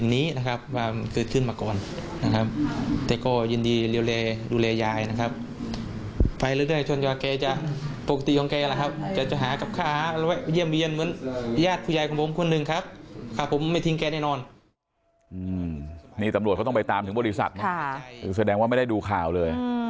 นี่ตำรวจเขาต้องไปตามถึงบริษัทนะคือแสดงว่าไม่ได้ดูข่าวเลย